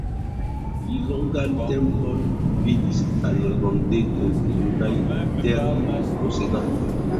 Li longan tempon gvidis al Rondeto de Junaj Terposedantoj.